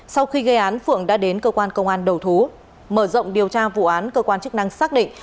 sau khi gây án phượng đã đến cơ quan công an đầu thú mở rộng điều tra vụ án cơ quan chức năng xác định